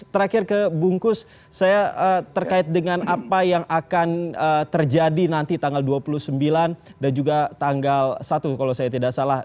terakhir ke bungkus saya terkait dengan apa yang akan terjadi nanti tanggal dua puluh sembilan dan juga tanggal satu kalau saya tidak salah